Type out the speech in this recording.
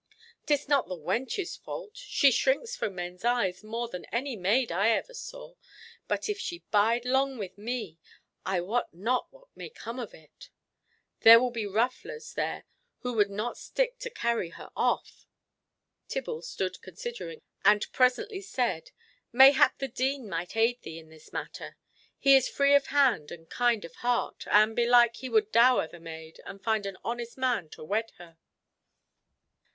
'Tis not the wench's fault. She shrinks from men's eyes more than any maid I ever saw, but if she bide long with me, I wot not what may come of it. There be rufflers there who would not stick to carry her off!" Tibble stood considering, and presently said, "Mayhap the Dean might aid thee in this matter. He is free of hand and kind of heart, and belike he would dower the maid, and find an honest man to wed her."